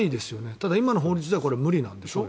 ただ今の法律では無理なんですよね。